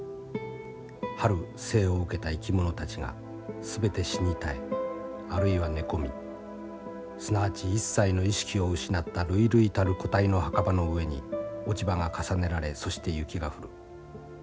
春生を受けた生き物たちが全て死に絶えあるいは寝込みすなわち一切の意識を失った累々たる個体の墓場の上に落ち葉が重ねられそして雪が降る。